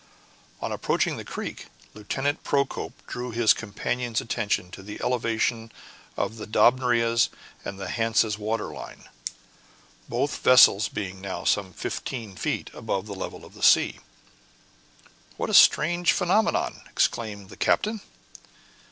On approaching the creek, Lieutenant Procope drew his companions' attention to the elevation of the Dobryna's and Hansa's waterline, both vessels being now some fifteen feet above the level of the sea. "What a strange phenomenon!" exclaimed the captain.